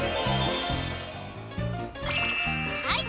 はい！